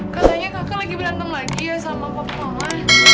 katanya kakak lagi berantem lagi ya sama papa mama